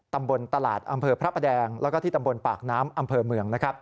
ตำบลตลาดอำเภอพระประแดงแล้วก็ที่ตำบลปากน้ำอำเภอเมือง